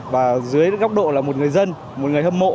và dưới góc độ là một người dân một người hâm mộ